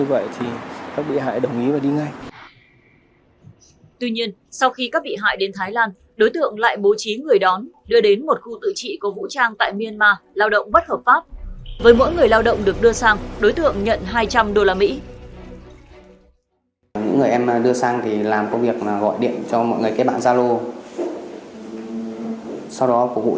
với mỗi người lao động được đưa sang đối tượng nhận hai trăm linh usd